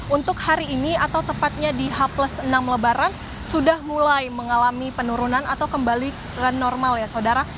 untuk hari ini atau tepatnya di h enam lebaran sudah mulai mengalami penurunan atau kembali ke normal ya saudara